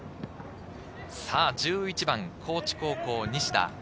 １１番高知高校・西田。